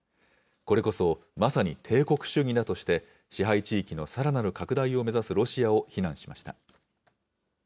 これこそまさに帝国主義だとして、支配地域のさらなる拡大を目指すロシアを非難しました。